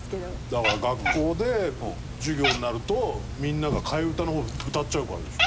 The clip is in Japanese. だから学校で授業になるとみんなが替え歌の方歌っちゃうからでしょ。